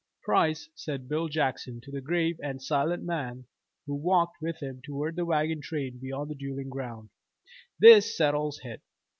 "Price," said Bill Jackson to the grave and silent man who walked with him toward the wagon train beyond the duelling ground, "this settles hit.